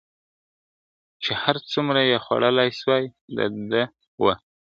چي هر څومره یې خوړلای سوای د ده وه `